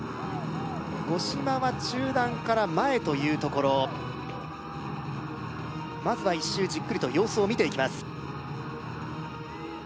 五島は中段から前というところまずは１周じっくりと様子を見ていきます